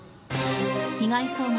被害総額